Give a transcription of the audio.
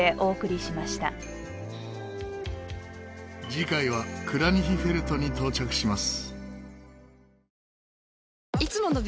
次回はクラニヒフェルトに到着します。